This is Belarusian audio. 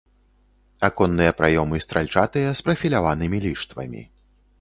Аконныя праёмы стральчатыя з прафіляванымі ліштвамі.